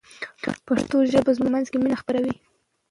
پښتو ژبه زموږ په منځ کې مینه خپروي.